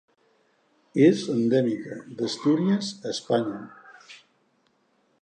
És endèmica d'Astúries a Espanya.